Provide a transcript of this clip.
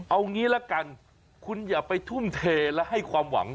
เอางี้ละกันคุณอย่าไปทุ่มเทและให้ความหวัง